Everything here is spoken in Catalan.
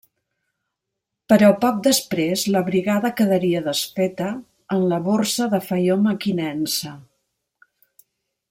Però poc després la brigada quedaria desfeta en la Borsa de Faió-Mequinensa.